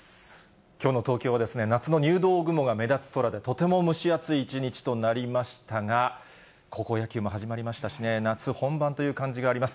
きょうの東京はですね、夏の入道雲が目立つ空で、とても蒸し暑い一日となりましたが、高校野球も始まりましたしね、夏本番という感じがあります。